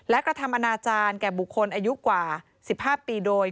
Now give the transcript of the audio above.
และกระทำอนาจารย์แก่บุคคลอายุกว่า๑๕ปีโดย